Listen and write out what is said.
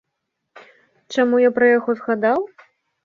Чаму я пра яго згадаў?